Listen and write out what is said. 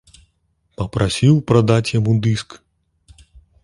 Папрасіў прадаць яму дыск.